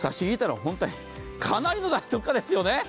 かなりの大特価ですよね。